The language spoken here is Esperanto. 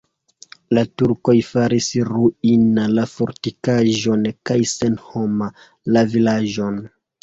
La turkoj faris ruina la fortikaĵon kaj senhoma la vilaĝon.